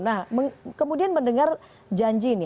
nah kemudian mendengar janji nih